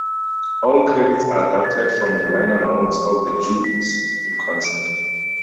All credits are adapted from the liner notes of "The Judds in Concert".